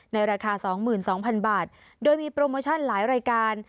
ในราคา๒๒๐๐๐บาทโดยมีโปรโมชั่นหลายรายการ